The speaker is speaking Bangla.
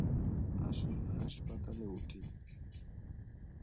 আসুন হাসপাতালে উঠি।